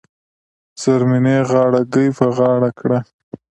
زرمینې غاړه ګۍ په غاړه کړه .